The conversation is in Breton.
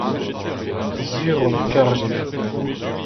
sur on e karjen.